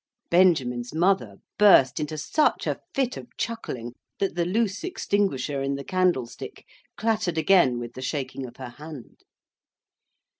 Benjamin's mother burst into such a fit of chuckling that the loose extinguisher in the candlestick clattered again with the shaking of her hand.